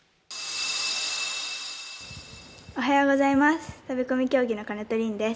おはようざいます。